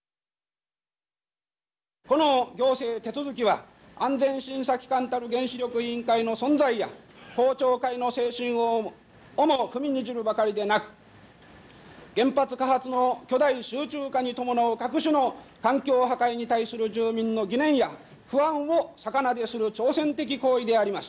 この行政手続は安全審査機関たる原子力委員会の存在や公聴会の精神をも踏みにじるばかりでなく原発火発の巨大集中化に伴う各種の環境破壊に対する住民の疑念や不安を逆なでする挑戦的行為であります。